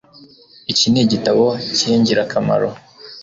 Iki ni igitabo cyingirakamaro